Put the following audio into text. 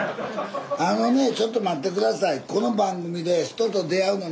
あのねちょっと待って下さい。